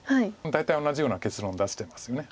大体同じような結論出してますよね